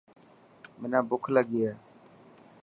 منا بک لگي هي.